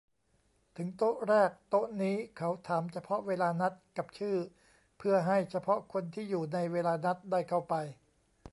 ถึงโต๊ะแรก โต๊ะนี้เขาถามเฉพาะเวลานัดกับชื่อ เพื่อให้เฉพาะคนที่อยู่ในเวลานัดได้เข้าไป